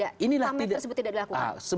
kenapa pamer tersebut tidak dilakukan